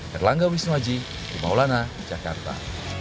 terlangga wisnu aji rumah ulana jakarta